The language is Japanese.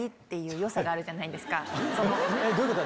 どういうこと？